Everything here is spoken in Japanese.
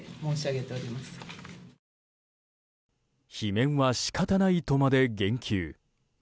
罷免は仕方ないとまで言及。